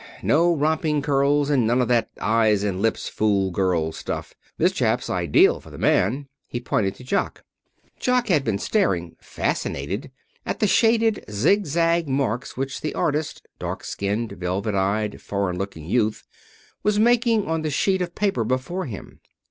No romping curls and none of that eyes and lips fool girl stuff. This chap's ideal for the man." He pointed to Jock. Jock had been staring, fascinated, at the shaded, zigzag marks which the artist dark skinned, velvet eyed, foreign looking youth was making on the sheet of paper before him.